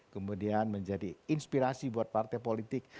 kemudian menjadi inspirasi buat partai politik